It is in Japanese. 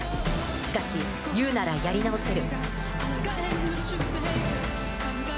しかしＵならやり直せる。